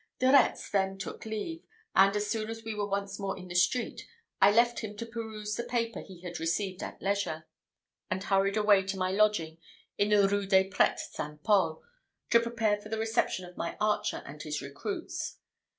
De Retz then took leave; and, as soon as we were once more in the street, I left him to peruse the paper he had received at leisure, and hurried away to my lodging in the Rue des Prêtres St. Paul, to prepare for the reception of my archer and his recruits.